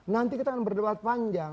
nanti kita akan berdebat panjang